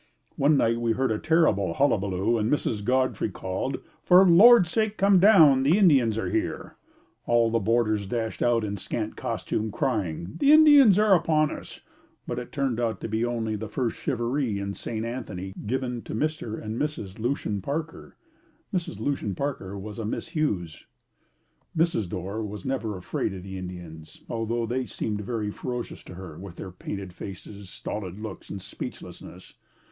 One night we heard a terrible hullabaloo and Mrs. Godfrey called, "For the Lord's sake come down, the Indians are here." All the boarders dashed out in scant costume, crying, "The Indians are upon us," but it turned out to be only the first charivari in St. Anthony given to Mr. and Mrs. Lucien Parker. Mrs. Lucien Parker was a Miss Huse. Mrs. Dorr was never afraid of the Indians, although they seemed very ferocious to her with their painted faces, stolid looks and speechlessness.